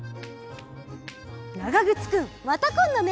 ながぐつくんまたこんどね。